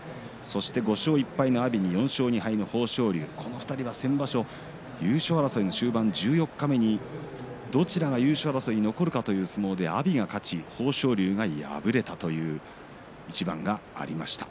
５勝１敗の阿炎に４勝２敗の豊昇龍先場所、優勝争いの終盤十四日目に、どちらが優勝争いに残るかという相撲で阿炎が勝って豊昇龍が敗れたという一番がありました。